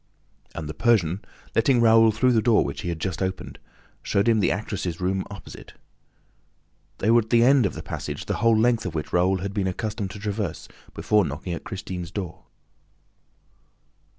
And the Persian, letting Raoul through the door which he had just opened, showed him the actress' room opposite. They were at the end of the passage the whole length of which Raoul had been accustomed to traverse before knocking at Christine's door.